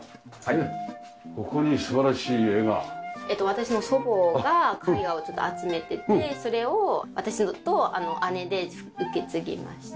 私の祖母が絵画を集めててそれを私と姉で受け継ぎました。